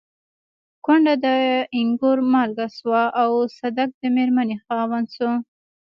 کونډه د اينګور مالکه شوه او صدک د مېرمنې خاوند شو.